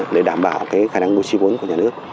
để đảm bảo khả năng bố trí vốn của nhà nước